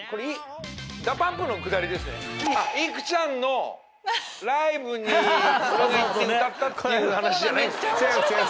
育ちゃんのライブに俺が行って歌ったって話じゃないんですね。